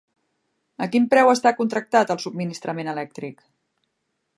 A quin preu està contractat el subministrament elèctric?